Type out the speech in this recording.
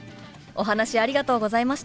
お話ありがとうございました！